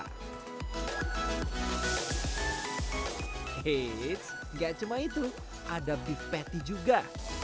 eits nggak cuma itu ada beef patty juga